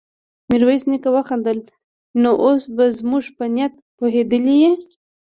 ميرويس نيکه وخندل: نو اوس به زموږ په نيت پوهېدلی يې؟